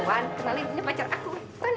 iya buan kenalin punya pacar aku